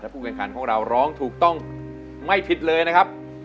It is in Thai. ผู้แข่งขันของเราร้องถูกต้องไม่ผิดเลยนะครับ